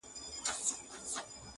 د ځوانۍ يوه نشه ده، هسي نه چي همېشه ده.